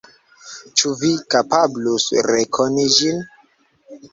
Ĉu Vi kapablus rekoni ĝin?